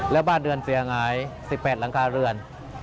แล้วบ้านเรือนเสียหาย๑๘หลังคาเรือน